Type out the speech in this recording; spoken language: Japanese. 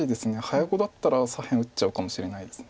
早碁だったら左辺打っちゃうかもしれないです。